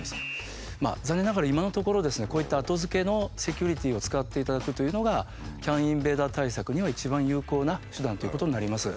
残念ながら今のところこういった後付けのセキュリティーを使っていただくというのがＣＡＮインベーダー対策には一番有効な手段ということになります。